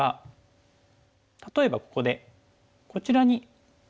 例えばここでこちらにトブ手。